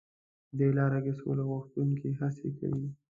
په دې لاره کې سوله غوښتونکي هڅې کوي.